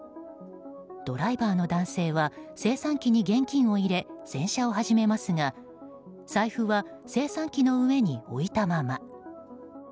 ドライバーの男性は精算機に現金を入れ洗車を始めますが財布は精算機の上に置いたまま。